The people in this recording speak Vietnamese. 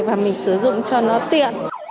và mình sử dụng cho nó tiện